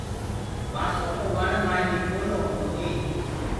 بآسو ڪو وڻ مآئينٚ دي پولو هوندو هي۔